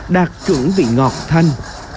đạt trưởng vị ngọt thanh